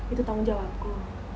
itu tanggung jawabku